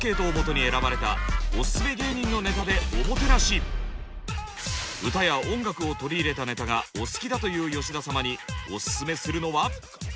まずは歌や音楽を取り入れたネタがお好きだという吉田様にオススメするのは。